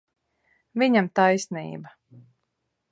Viņam taisnība.